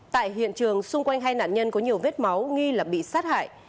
tại hiện trường xung quanh hai nạn nhân có nhiều vết máu nghi là bị sát hại